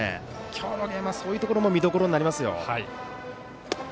今日のゲームはそういうところも見どころになりますよ。